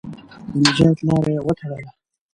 د نجات لاره یې وتړله.